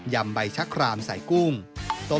ำใบชะครามใส่กุ้งต้ม